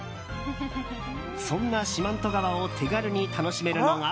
そんな四万十川を手軽に楽しめるのが。